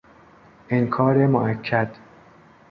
انکار موکد